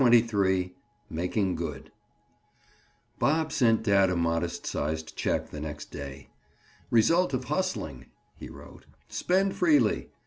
CHAPTER XXIII—MAKING GOOD Bob sent dad a modest sized check the next day. "Result of hustling," he wrote. "Spend freely.